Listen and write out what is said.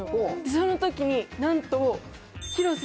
その時になんと。